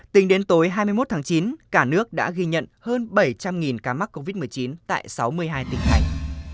tính đến tối hai mươi một tháng chín cả nước đã ghi nhận hơn bảy trăm linh ca mắc covid một mươi chín tại sáu mươi hai tỉnh thành